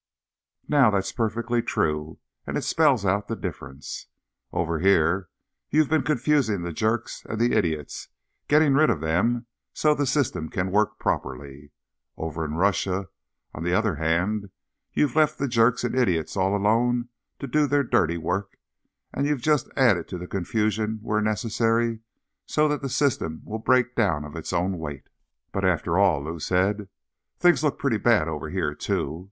_ _Now, that's perfectly true, and it spells out the difference. Over here, you've been confusing the jerks and the idiots, getting rid of them so the system can work properly. Over in Russia, on the other hand, you've left the jerks and the idiots all alone to do their dirty work, and you've just added to the confusion where necessary, so that the system will break down of its own weight._ "But, after all," Lou said, "things look pretty bad over here, too.